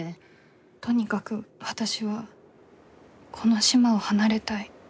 とにかく私はこの島を離れたい。